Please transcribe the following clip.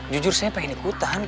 jujur saya pengen ikutan